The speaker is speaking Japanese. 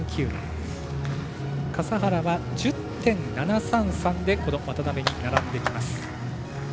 笠原は１０．７３３で渡部に並んできます。